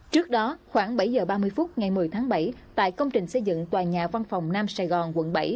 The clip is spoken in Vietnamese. trước đó khoảng bảy h ba mươi phút ngày một mươi tháng bảy tại công trình xây dựng tòa nhà văn phòng nam sài gòn quận bảy